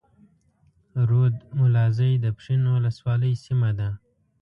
رود ملازۍ د پښين اولسوالۍ سيمه ده.